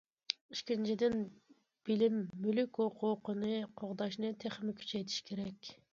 ئىككىنچىدىن، بىلىم مۈلۈك ھوقۇقىنى قوغداشنى تېخىمۇ كۈچەيتىش كېرەك.